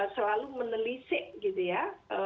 selalu menelisik gitu ya